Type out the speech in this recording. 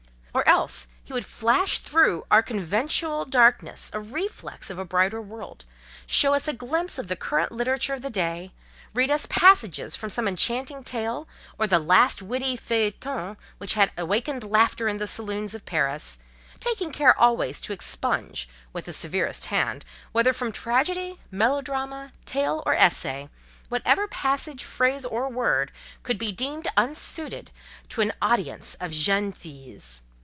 Or else he would flash through our conventual darkness a reflex of a brighter world, show us a glimpse of the current literature of the day, read us passages from some enchanting tale, or the last witty feuilleton which had awakened laughter in the saloons of Paris; taking care always to expunge, with the severest hand, whether from tragedy, melodrama, tale, or essay, whatever passage, phrase, or word, could be deemed unsuited to an audience of "jeunes filles."